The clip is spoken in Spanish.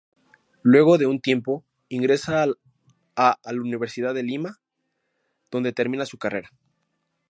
Luego de un tiempo, ingresa a al Universidad de Lima donde termina su carrera.